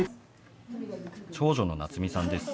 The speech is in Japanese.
長女の夏望さんです。